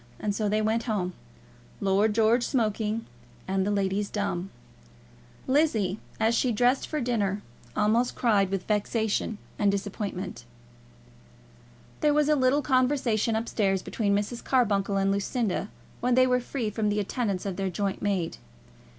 And so they went home, Lord George smoking, and the ladies dumb. Lizzie, as she dressed for dinner, almost cried with vexation and disappointment. There was a little conversation up stairs between Mrs. Carbuncle and Lucinda, when they were free from the attendance of their joint maid.